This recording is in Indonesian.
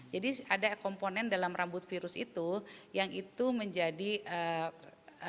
jadi ada komponen dalam rambut virus itu yang itu menjadikan